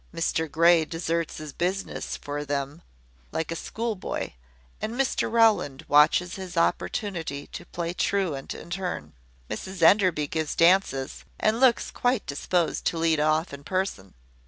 Mr Grey deserts his business for them, like a school boy; and Mr Rowland watches his opportunity to play truant in turn. Mrs Enderby gives dances, and looks quite disposed to lead off in person.